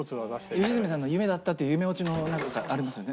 良純さんの夢だったっていう夢オチのなんかありますよね